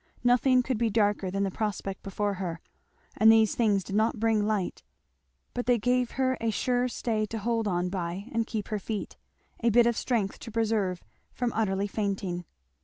Nothing could be darker than the prospect before her, and these things did not bring light; but they gave her a sure stay to hold on by and keep her feet; a bit of strength to preserve from utterly fainting.